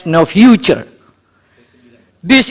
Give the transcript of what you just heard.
ini adalah untuk mengatakan bahwa